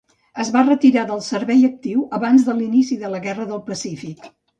Es va retirar del servei actiu abans de l'inici de la guerra del Pacífic.